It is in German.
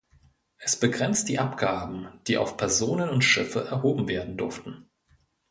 Es begrenzt die Abgaben, die auf Personen und Schiffe erhoben werden durften.